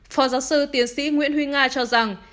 phó giáo sư tiến sĩ nguyễn huy nga cho rằng